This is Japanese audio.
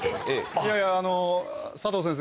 いやいや佐藤先生